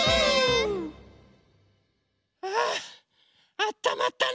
ああったまったね。